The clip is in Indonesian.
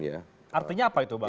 artinya apa itu bang